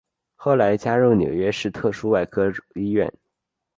后来加入纽约市特殊外科医院。